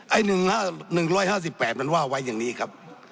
๑๕๘มันว่าไว้อย่างนี้ครับ